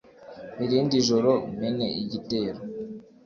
mpa irindi joro mene igitero,